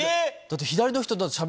だって左の人。